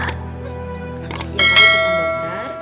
ya saya pesan dokter